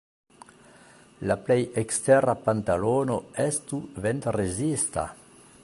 La plej ekstera pantalono estu ventrezista.